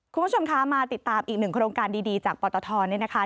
คุณผู้ชมคะมาติดตามอีกหนึ่งโครงการดีจากปตทนี่นะคะ